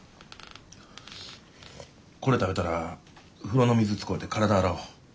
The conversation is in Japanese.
これ食べたら風呂の水使うて体洗お。